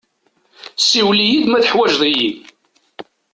Siwel-iyi-d ma teḥwaǧeḍ-iyi.